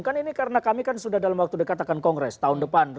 kan ini karena kami kan sudah dalam waktu dikatakan kongres tahun depan